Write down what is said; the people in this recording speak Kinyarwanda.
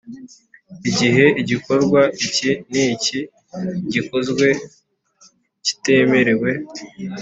Igihe igikorwa iki n iki gikozwe kitemerewe